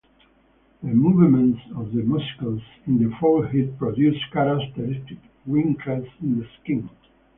The movements of the muscles in the forehead produce characteristic wrinkles in the skin.